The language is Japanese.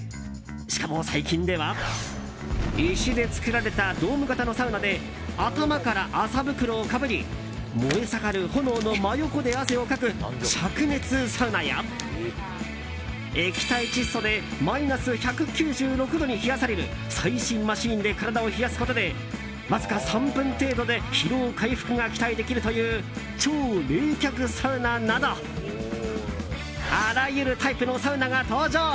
しかも、最近では石で作られたドーム型のサウナで頭から麻袋をかぶり燃え盛る炎の真横で汗をかく灼熱サウナや液体窒素でマイナス１９６度に冷やされる最新マシーンで体を冷やすことでわずか３分程度で疲労回復が期待できるという超冷却サウナなどあらゆるタイプのサウナが登場。